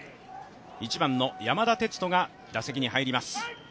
１番の山田哲人が打席に入ります。